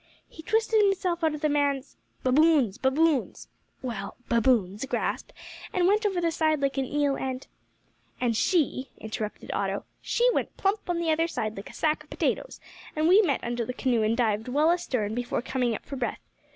He twisted himself out of the man's " "Baboon's! baboon's!" "Well baboon's grasp, and went over the side like an eel, and " "And she," interrupted Otto, "she went plump on the other side like a sack of potatoes, and we met under the canoe and dived well astern before coming up for breath.